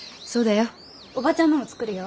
おばちゃんのも作るよ。